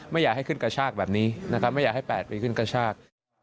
ไม่อยากให้ขึ้นกระชากแบบนี้นะครับไม่อยากให้๘ปีขึ้นกระชาก